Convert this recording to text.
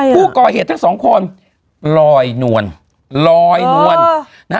ผู้ก่อเหตุทั้งสองคนลอยนวลลอยนวลนะฮะ